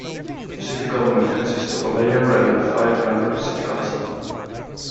The city government consists of a mayor and a five-member city council.